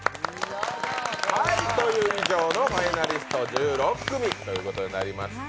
以上のファイナリスト１６組ということになりました。